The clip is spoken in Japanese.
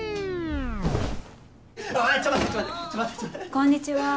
こんにちは。